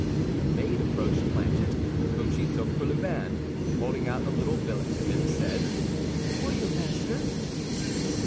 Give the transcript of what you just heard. The maid approached Planchet, whom she took for Lubin, and holding out a little billet to him said, "For your master."